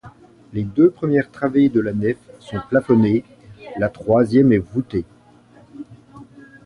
Les deux premières travées de la nef sont plafonnées, la troisième est voutée.